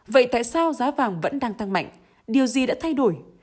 vậy tại sao giá vàng vẫn đang tăng mạnh điều gì đã thay đổi